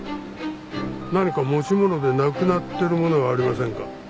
何か持ち物でなくなってるものはありませんか？